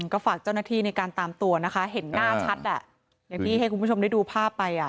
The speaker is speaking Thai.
ก็ฝากเจ้าหน้าที่ในการตามตัวนะคะเห็นหน้าชัดอ่ะอย่างที่ให้คุณผู้ชมได้ดูภาพไปอ่ะ